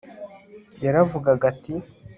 yaravugaga ati